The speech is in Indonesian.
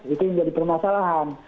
itu yang jadi permasalahan